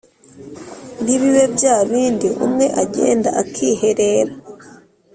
ntibibe bya bindi umwe agenda akiherera